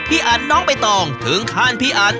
พี่อันน้องไปต่อถึงคาญพี่อัน